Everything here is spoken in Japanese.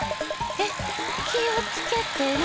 えっきをつけてね。